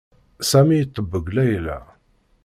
Sami iṭebbeg Layla.